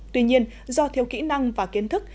tuy nhiên do thiếu kỹ năng và kiến thức